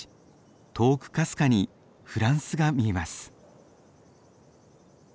遠くかすかにフランスが見えます。